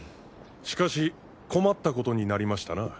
しかし困ったことになりましたな。